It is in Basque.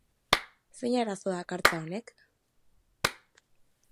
Zein arazo dakartza honek?